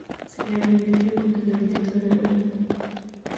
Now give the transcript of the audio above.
Se le rindió tributo en el Teatro Degollado.